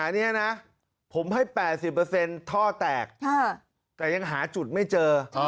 ได้๘๐ท่อแตกแต่ยังหาจุดไม่เจอ